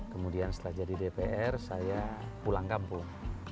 kemudian setelah jadi dpr saya pulang kampung